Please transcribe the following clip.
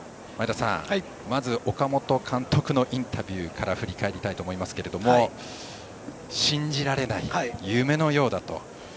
まず岡本監督のインタビューから振り返りたいと思いますけども信じられない、夢のようだと。